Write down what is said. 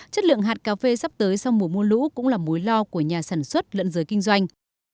chất lượng hạt cà phê sắp tới sau mùa mua lũ cũng là mối lo của nhà sản xuất lẫn giới kinh doanh